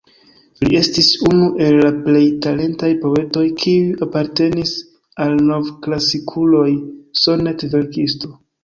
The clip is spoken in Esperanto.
Li estis unu el la plej talentaj poetoj, kiuj apartenis al nov-klasikuloj, sonet-verkisto.